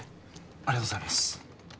ありがとうございます。